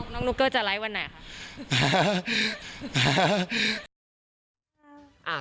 น้องนุ๊กเกอร์จะไลฟ์วันไหนครับ